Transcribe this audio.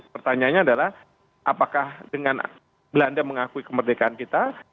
pertanyaannya adalah apakah dengan belanda mengakui kemerdekaan kita